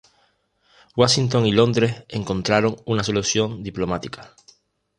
Washington y Londres encontraron una solución diplomática.